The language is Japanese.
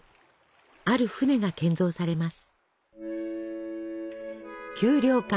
ある船が建造されます。